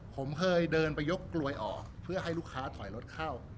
ผมเคยเดินไปยกกลวยออกเพื่อให้ลูกค้าถอยรถเข้า